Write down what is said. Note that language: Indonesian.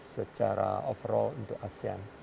secara overall untuk asean